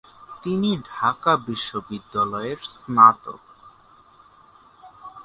তিনি ঢাকা বিশ্ববিদ্যালয়ের স্নাতক।